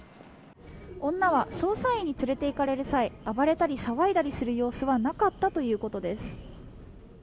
女は捜査員に連れていかれる際暴れたり騒いだりする様子はなかったということです。